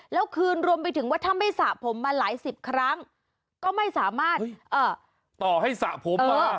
แล้วคืนรวมไปถึงว่าถ้าไม่สระผมมาหลายสิบครั้งก็ไม่สามารถต่อให้สระผมมา